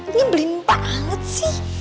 ini belimpa banget sih